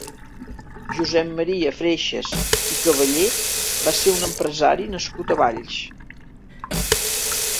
Josep Maria Freixes i Cavallé va ser un empresari nascut a Valls.